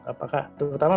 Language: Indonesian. apakah ini benar atau tidak